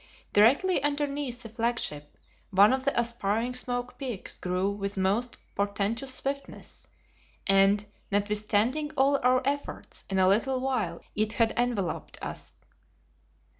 Directly underneath the flagship, one of the aspiring smoke peaks grew with most portentous swiftness, and, notwithstanding all our efforts, in a little while it had enveloped us.